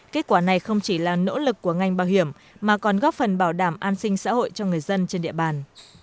kết quả này không chỉ là nỗ lực của ngành bảo hiểm mà còn góp phần bảo đảm an sinh xã hội cho người dân trên địa bàn